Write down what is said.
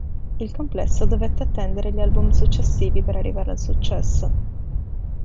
Il complesso dovette attendere gli album successivi per arrivare al successo.